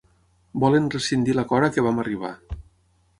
Volen rescindir l'acord a què vam arribar.